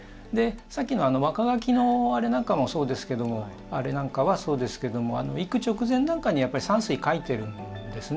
さっきの若描きのあれなんかもそうですけどあれなんかはそうですけども行く直前なんかに山水を描いているんですね。